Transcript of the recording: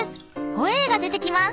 ホエーが出てきます。